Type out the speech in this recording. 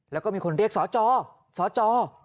แล้วก็มีคนเรียกสจสจ